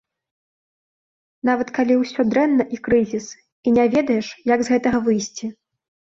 Нават калі ўсё дрэнна і крызіс, і не ведаеш, як з гэтага выйсці.